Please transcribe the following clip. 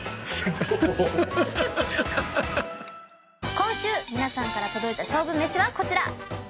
今週皆さんから届いた勝負めしはこちら。